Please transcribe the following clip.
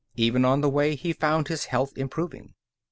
Even on the way he found his health improving.